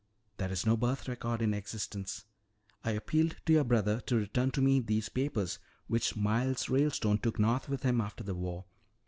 There is no birth record in existence. I appealed to your brother to return to me these papers which Miles Ralestone took north with him after the war.